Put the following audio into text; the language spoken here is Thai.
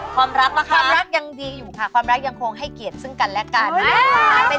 ความรักนะคะความรักยังคงให้เกียรติซึ่งกันและกันเป็นสิ่งที่โลกสวยมาก